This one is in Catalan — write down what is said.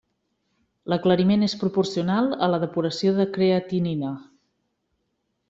L'aclariment és proporcional a la depuració de creatinina.